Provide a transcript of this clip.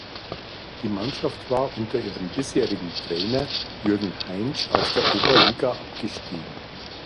Die Mannschaft war unter ihrem bisherigen Trainer Jürgen Heinsch aus der Oberliga abgestiegen.